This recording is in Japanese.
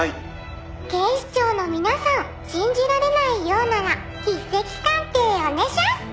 「警視庁の皆さん信じられないようなら筆跡鑑定オネシャス！」